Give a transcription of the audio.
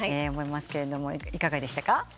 いかがでしたか？